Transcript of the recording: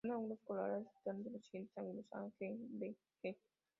Son ángulos colaterales externos los siguientes ángulos: a,g; be, he.